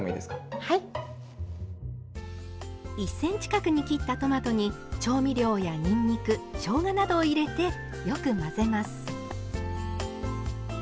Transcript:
１ｃｍ角に切ったトマトに調味料やにんにくしょうがなどを入れてよく混ぜます。